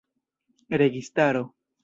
registaro